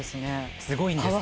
すごいんですよ。